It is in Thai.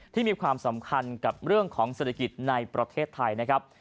มีความสำคัญกับเรื่องของเศรษฐกิจในประเทศไทยนะครับ